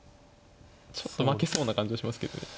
ちょっと負けそうな感じはしますけどね